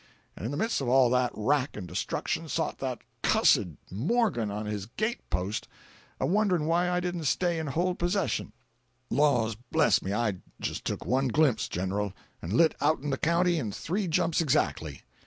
—and in the midst of all that wrack and destruction sot that cussed Morgan on his gate post, a wondering why I didn't stay and hold possession! Laws bless me, I just took one glimpse, General, and lit out'n the county in three jumps exactly.